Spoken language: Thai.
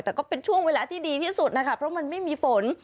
แต่ก็เป็นช่วงเวลาที่ดีที่สุดนะคะเพราะมันไม่มีฝน